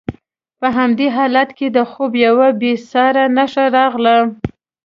په همدې حالت کې د خوب یوه بې ساري نښه راغله.